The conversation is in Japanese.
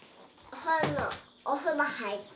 お風呂入った。